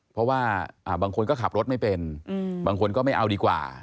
เพราะว่าบางคนก็ขับรถไม่เป็นบางคนก็ไม่เอาดีกว่า